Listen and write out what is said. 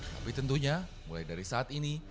tapi tentunya mulai dari saat ini